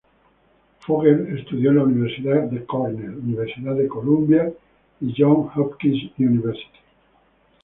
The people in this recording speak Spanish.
Fogel estudió en la Universidad Cornell, Universidad de Columbia y Johns Hopkins University.